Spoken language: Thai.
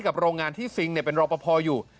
โรงงานที่ซิงเป็นรอปภอยู่